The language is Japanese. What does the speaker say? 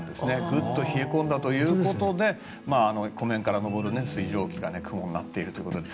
ぐっと冷え込んだということで湖面から上る水蒸気が雲になっているということで。